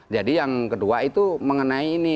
yang kedua itu mengenai ini